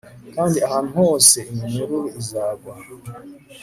kandi ahantu hose iminyururu izagwa